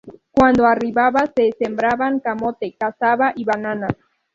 Cuando arribaba, se sembraban camote, casaba, y bananas.